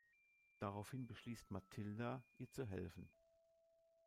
Daraufhin beschließt Matilda, ihr zu helfen.